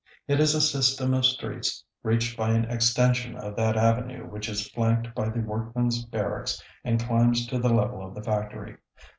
It is a system of streets reached by an extension of that avenue which is flanked by the workmen's barracks and climbs to the level of the factory.